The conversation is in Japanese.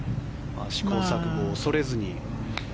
試行錯誤を恐れずに。